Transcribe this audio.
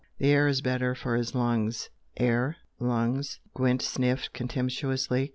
The air is better for his lungs." "Air? Lungs?" Gwent sniffed contemptuously.